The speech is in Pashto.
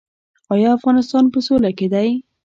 آیا افغانستان په سوله کې دی؟